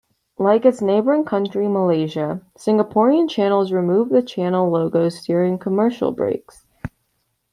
Like its neighbouring country, Malaysia, Singaporean channels remove the channel logos during commercial breaks.